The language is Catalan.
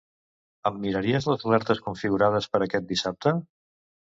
Em miraries les alertes configurades per aquest dissabte?